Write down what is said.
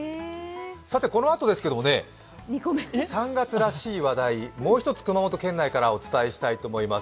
さてこのあとですけれども３月らしい話題をもうひとつ熊本県内からお伝えしたいと思います。